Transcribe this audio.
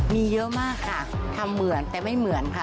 มีเยอะมากค่ะทำเหมือนแต่ไม่เหมือนค่ะ